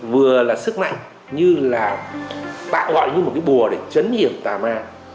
vừa là sức mạnh như là tạo gọi như một cái bùa để chấn hiểm tà ma